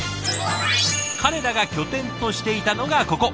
彼らが拠点としていたのがここ！